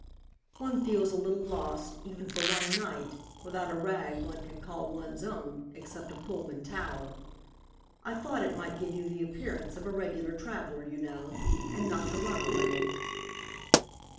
One feels a little lost even for one night without a rag one can call one's own except a Pullman towel. I thought it might give you the appearance of a regular traveller, you know, and not a runaway."